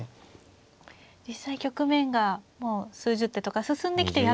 実際局面がもう数十手とか進んできてやっと。